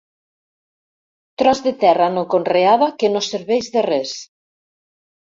Tros de terra no conreada que no serveix de res.